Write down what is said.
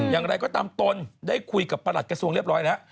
อย่างไรก็ตามตนได้คุยกับประหลัดกระทรวงเรียบร้อยแล้ว